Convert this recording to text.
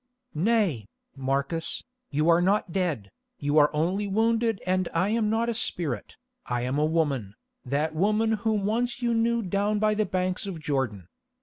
"Nay, Marcus, you are not dead, you are only wounded and I am not a spirit, I am a woman, that woman whom once you knew down by the banks of Jordan.